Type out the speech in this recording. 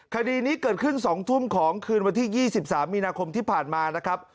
คดีนี้เกิดขึ้น๒ทุ่มของคืนวันที่๒๓มีนาคมที่ผ่านมานะครับ